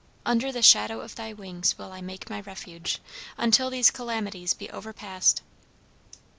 'Under the shadow of thy wings will I make my refuge, until these calamities be overpast.'"